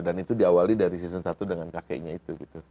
dan itu diawali dari season satu dengan kakeknya itu